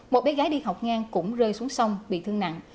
một bé gái đi học ngang cũng rơi xuống sông bị thương nặng